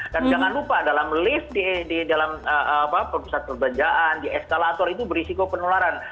dan jangan lupa dalam lift di dalam perusahaan perbelanjaan di eskalator itu berisiko penularan